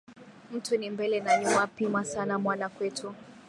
Mtu ni mbele na nyuma, pima sana mwana kwetu